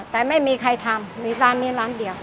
แต่ไม่มีใครทำมีร้านนี้ร้านเดียว